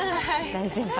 大先輩。